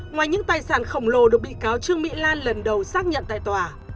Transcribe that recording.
ngoài những tài sản khổng lồ được bị cáo trương mỹ lan lần đầu xác nhận tại tòa